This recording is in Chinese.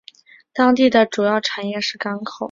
当地的主要产业是港口。